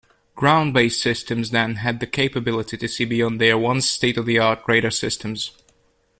Ground-based systems then had the capability to see beyond their once state-of-the-art radar systems.